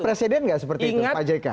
presiden nggak seperti itu pak jk